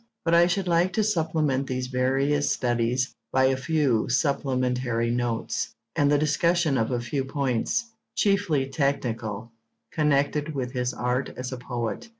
But I should like to supplement these various studies by a few supplementary notes, and the discussion of a few points, chiefly technical, connected with his art as a poet.